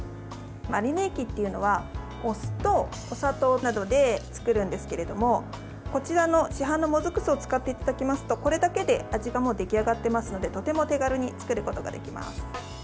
マリネ液というのはお酢とお砂糖などで作るんですけれどもこちらの市販のもずく酢を使っていただきますとこれだけで味がもう出来上がっていますのでとても手軽に作ることができます。